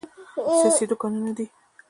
سیاسي دوکانونه دي.